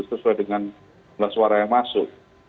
sesuai dengan suara yang masuk